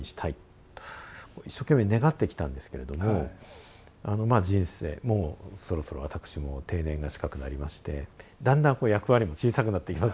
一生懸命願ってきたんですけれども人生もうそろそろ私も定年が近くなりましてだんだんこう役割も小さくなっていきますよね。